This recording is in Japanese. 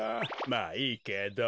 まあいいけど。